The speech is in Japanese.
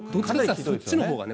そっちのほうがね。